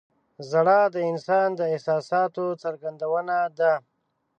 • ژړا د انسان د احساساتو څرګندونه ده.